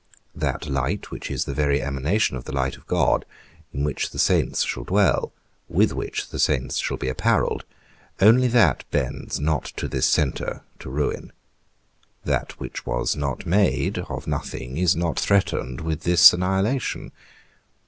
That light, which is the very emanation of the light of God, in which the saints shall dwell, with which the saints shall be apparelled, only that bends not to this centre, to ruin; that which was not made of nothing is not threatened with this annihilation.